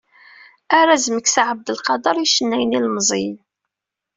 Arraz "Meksa Ɛabdelqader" i yicennayen ilmeẓyen.